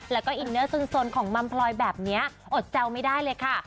แล้วก็อินเนอร์สนของมัมพลอยแบบนี้อดแซวไม่ได้เลยค่ะ